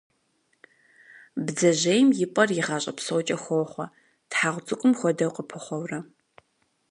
Бдзэжьейм и пӏэр и гъащӏэ псокӏэ хохъуэ, тхьэгъу цӏыкӏум хуэдэу къыпыхъуэурэ.